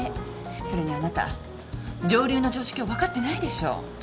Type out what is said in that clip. それにあなた上流の常識を分かってないでしょ。